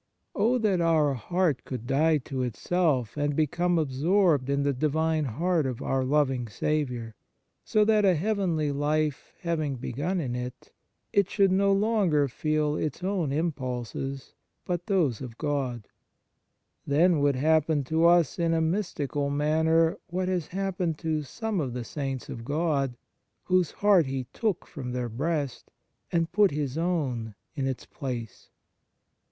Oh that our heart could die to itself and become absorbed in the Divine heart of our loving Saviour, so that, a heavenly life having begun in it, it should no longer feel its own impulses, but those of God ! Then would happen to us in a mystical manner what has happened to some of the Saints of God, whose heart He took from their breast, and put His own in its place.